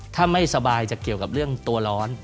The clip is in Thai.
ถ้าไม่สบายจะเกี่ยวกับเรื่องตัวร้อน